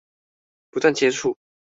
不斷接觸